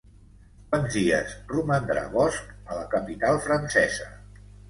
Quants dies romandrà Bosch a la capital francesa?